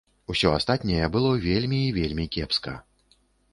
Усё астатняе было вельмі і вельмі кепска.